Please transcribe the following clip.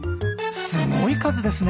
すごい数ですね！